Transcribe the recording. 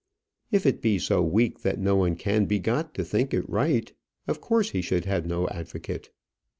"If it be so weak that no one can be got to think it right, of course he should have no advocate."